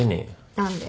何で？